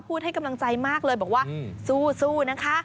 ให้กำลังใจมากเลยบอกว่าสู้นะคะ